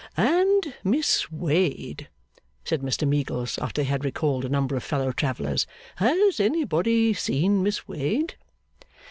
'And Miss Wade,' said Mr Meagles, after they had recalled a number of fellow travellers. 'Has anybody seen Miss Wade?